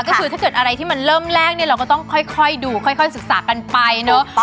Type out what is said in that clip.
ก็คือถ้าเกิดอะไรที่มันเริ่มแรกเนี่ยเราก็ต้องค่อยดูค่อยศึกษากันไปเนอะ